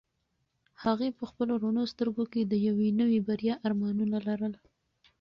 هغې په خپلو رڼو سترګو کې د یوې نوې بریا ارمانونه لرل.